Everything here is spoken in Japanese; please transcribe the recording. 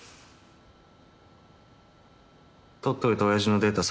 取っといた親父のデータ